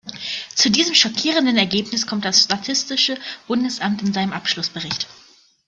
Zu diesem schockierenden Ergebnis kommt das statistische Bundesamt in seinem Abschlussbericht.